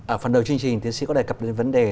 ở phần đầu chương trình tiến sĩ có đề cập đến vấn đề